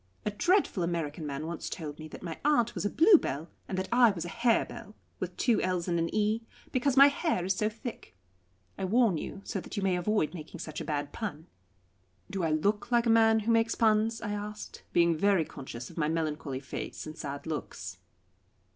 A dreadful American man once told me that my aunt was a Bluebell and that I was a Harebell with two l's and an e because my hair is so thick. I warn you, so that you may avoid making such a bad pun." "Do I look like a man who makes puns?" I asked, being very conscious of my melancholy face and sad looks.